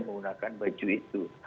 menggunakan baju itu